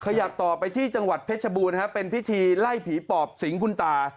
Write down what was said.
ขยับต่อไปที่จังหวัดเพชรบูรณ์เป็นพิธีไล่ผีปอบสิงคุณตา